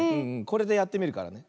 これでやってみるからね。